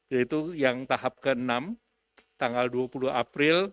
yaitu yang tahap ke enam tanggal dua puluh april